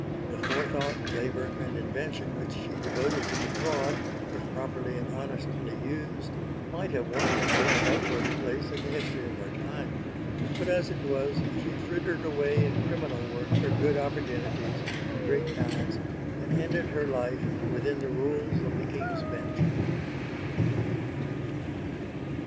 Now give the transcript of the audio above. The forethought, labour and invention which she devoted to the fraud, if properly and honestly used, might have won for her a noteworthy place in the history of her time. But as it was, she frittered away in criminal work her good opportunities and great talents, and ended her life within the rules of the King's Bench.